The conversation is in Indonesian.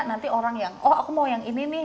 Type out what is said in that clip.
nanti orang yang oh aku mau yang ini nih